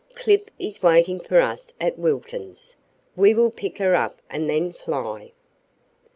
Clip is waiting for us at Wiltons'. We will pick her up and then fly."